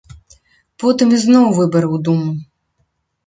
Потым ізноў выбары ў думу.